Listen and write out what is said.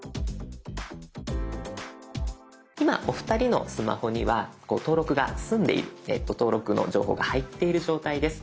今お二人のスマホには登録が済んでいる登録の情報が入っている状態です。